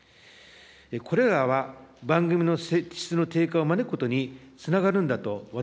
これらは番組の質の低下を招くことにつながるんだと私は思います。